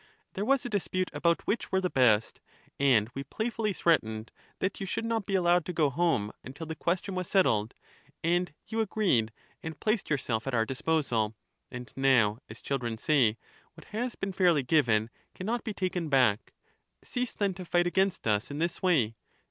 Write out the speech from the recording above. There was a dispute about which were the best, and we playfully threatened that you should not be allowed to go home until the question was settled ; and you agreed, and placed your self at our disposal. And now, as children say, what has been fairly given cannot be taken back ; cease then to fight against us in this way.